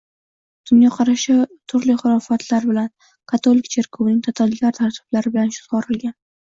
Dunyoqarashi turli xurofotlar bilan, katolik cherkovining totalitar tartiblari bilan sug‘orilgan